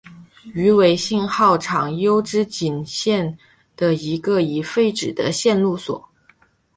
羽尾信号场筱之井线的一个已废止的线路所。